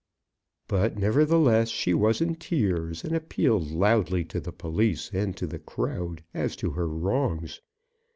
But, nevertheless, she was in tears, and appealed loudly to the police and to the crowd as to her wrongs.